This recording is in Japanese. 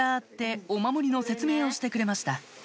ってお守りの説明をしてくれました